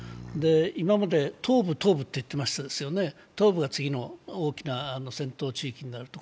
今まで東部、東部と言ってましたよね、東部が次の大きな戦闘地域になると。